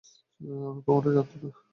আমি কখনোই জানতাম না।